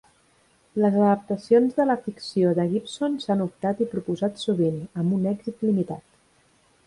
Les adaptacions de la ficció de Gibson s'han optat i proposat sovint, amb un èxit limitat.